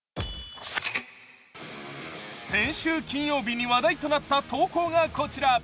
先週金曜日に話題となった投稿がこちら。